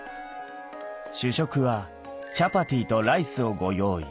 主食はチャパティとライスをご用意。